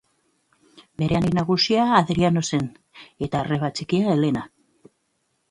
Bere anai nagusia Adriano zen, eta arreba txikia Elena.